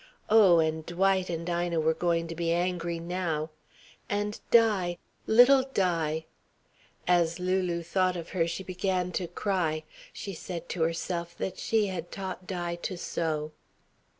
Oh, and Dwight and Ina were going to be angry now! And Di little Di. As Lulu thought of her she began to cry. She said to herself that she had taught Di to sew.